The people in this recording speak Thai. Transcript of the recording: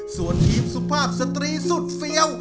ส่วนทีมสุภาพสตรีสุดเฟี้ยว